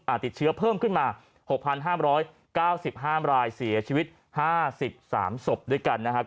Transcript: อ่าติดเชื้อเพิ่มขึ้นมาหกพันห้ามร้อยเก้าสิบห้ามรายเสียชีวิตห้าสิบสามสบด้วยกันนะฮะ